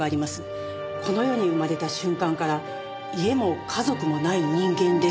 「この世に生まれた瞬間から家も家族もない人間です」と。